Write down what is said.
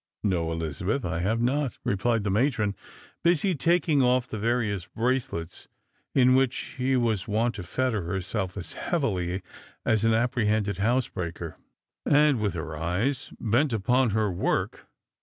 "No, Elizabeth, I have not," replied the matron, bney taking off the various bracelets in which she was wont to fetter herself as heavily as an apprehended housebreaker, and with her eyes bent upon her v/ork.